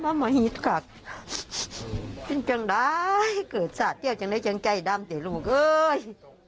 เอ้ออะน่าให้อ่ะขอให้อภัยมึงอยู่หลอกลูกเอ้ย